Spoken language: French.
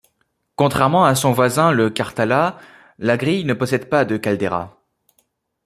Contrairement à son voisin le Karthala, La Grille ne possède pas de caldeira.